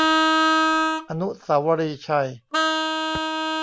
อนุสาวรีย์ชัย